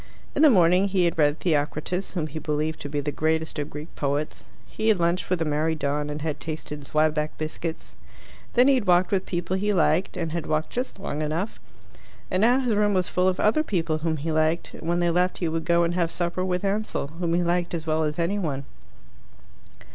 In the morning he had read Theocritus, whom he believed to be the greatest of Greek poets; he had lunched with a merry don and had tasted Zwieback biscuits; then he had walked with people he liked, and had walked just long enough; and now his room was full of other people whom he liked, and when they left he would go and have supper with Ansell, whom he liked as well as any one.